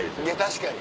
確かに。